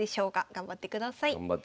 頑張ってください。